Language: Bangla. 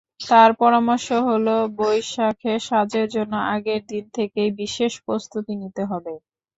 তাঁর পরামর্শ হলো, বৈশাখে সাজের জন্য আগের দিন থেকেই বিশেষ প্রস্তুতি নিতে হবে।